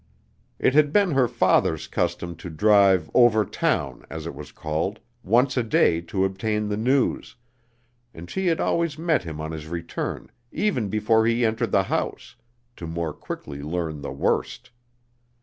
It had been her father's custom to drive "over town," as it was called, once a day to obtain the news, and she had always met him on his return, even before he entered the house, to more quickly learn the worst.